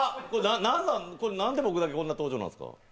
な、な、なんで僕だけこんな登場なんすか？